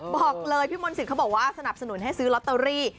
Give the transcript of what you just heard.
บอกเลยพี่มนต์สิทธิ์เขาบอกว่าสนับสนุนให้ซื้อลอตเตอรี่